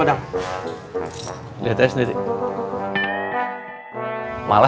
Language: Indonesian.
untuk berhenti gila